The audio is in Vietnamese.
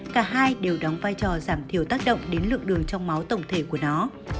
cả hai đều đóng vai trò giảm thiểu tác động đến lượng đường trong máu tổng thể của nó